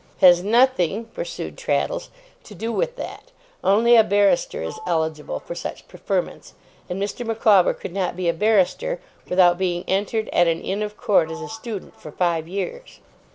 ')' Has nothing,' pursued Traddles, 'to do with that. Only a barrister is eligible for such preferments; and Mr. Micawber could not be a barrister, without being entered at an inn of court as a student, for five years.